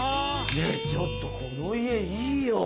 ねぇちょっとこの家いいよ！